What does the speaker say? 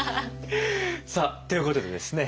さあということでですね